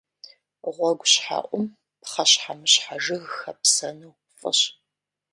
Гъуэгущхьэӏум пхъэщхьэмыщхьэ жыг хэпсэну фӏыщ.